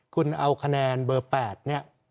คุณเอาคะแนนเบอร์๘เนี่ย